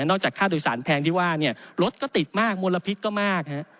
จากค่าโดยสารแพงที่ว่าเนี่ยรถก็ติดมากมลพิษก็มากฮะ